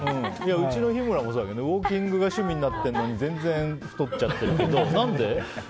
うちの日村もそうだけどウォーキングが趣味になってるのに全然太っちゃって。